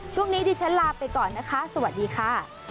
ช่วงนี้ดิฉันลาไปก่อนนะคะสวัสดีค่ะ